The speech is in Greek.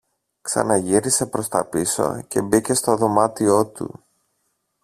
Ξαναγύρισε προς τα πίσω και μπήκε στο δωμάτιό του